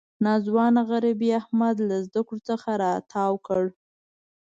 ناځوانه غریبۍ احمد له زده کړو څخه را تاو کړ.